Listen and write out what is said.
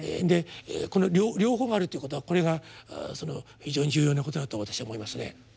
でこの両方があるということはこれが非常に重要なことだと私は思いますね。